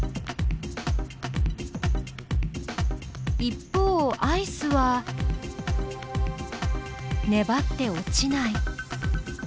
一方アイスはねばって落ちない。